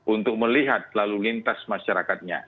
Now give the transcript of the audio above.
untuk melihat lalu lintas masyarakatnya